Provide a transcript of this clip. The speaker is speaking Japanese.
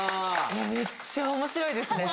めっちゃ面白いですね。